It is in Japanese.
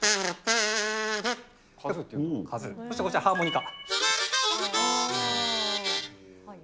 そしてこちらハーモニカ。